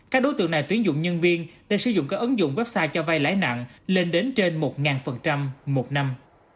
các đối tượng này tuyển dụng nhân viên để sử dụng các ứng dụng website cho vay lãi nặng lên đến trên một một năm